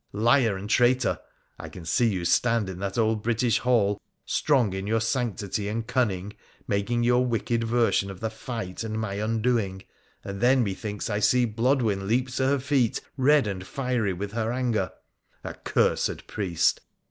Liar and traitor ! I can see you stand in that old British hall, strong in your sanctity and cunning, making your wicked version of the fight and my undoing, and then methinks I see Blodwen leap to her feet, red and fiery with her anger. Ac cursed priest